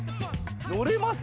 乗れます？